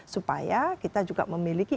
supaya kita juga memiliki